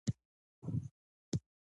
د ملګرو مشوره ترلاسه کړئ.